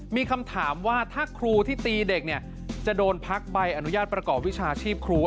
มีคำถามว่าถ้าครูที่ตีเด็กเนี่ยจะโดนพักใบอนุญาตประกอบวิชาชีพครู